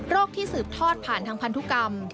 ที่สืบทอดผ่านทางพันธุกรรม